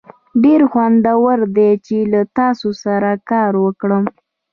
ډیر خوندور دی چې له تاسو سره کار وکړم.